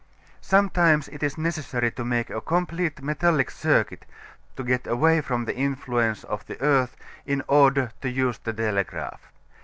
Sometimes it is necessary to make a complete metallic circuit to get away from the influence of the earth in order to use the telegraph.